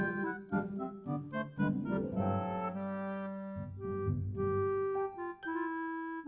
eh lupa aku mau ke rumah